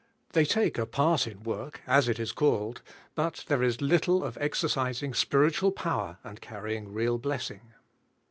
They take a part in work, as it is called, but there is little of exercising spiritual power and carrying real blessing.